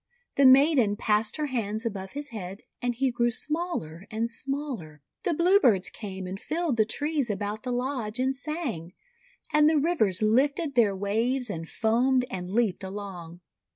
The maiden passed her hands above his head, and he grew smaller and smaller. The Bluebirds came and filled the trees about the lodge, and sang; and the rivers lifted their waves and foamed and leaped along.